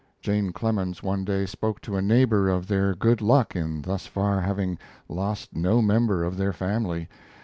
Jane Clemens one day spoke to a neighbor of their good luck in thus far having lost no member of their family.